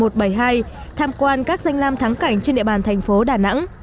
tham quan các danh lam thắng cảnh trên địa bàn thành phố đà nẵng